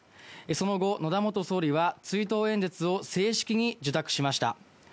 その後、野田元総理は追悼演説を正式に受諾しました。